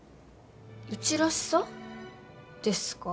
うちらしさですか？